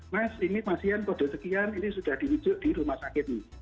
mas ini pasien kode sekian ini sudah dirujuk dirumah sakit ini